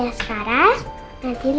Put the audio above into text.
kakak mau pentas loh